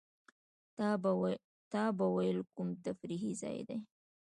تا به وېل کوم تفریحي ځای دی.